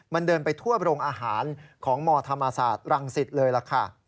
มันเดินไปทั่วโรงอาหารของมธรรมศาสตร์รังสิตเลยล่ะค่ะ